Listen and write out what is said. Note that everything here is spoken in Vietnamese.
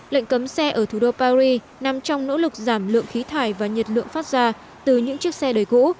lệnh cấm xe ở thủ đô paris nằm trong nỗ lực giảm lượng khí thải và nhiệt lượng phát ra từ những chiếc xe đầy cũ